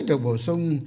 được bổ sung